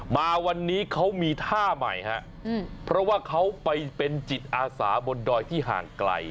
มาวันนี้เขามีท่าใหม่ฮะเพราะว่าเขาไปเป็นจิตอาสาบนดอยที่ห่างไกล